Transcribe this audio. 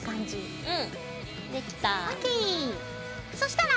うん。